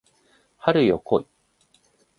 春よ来い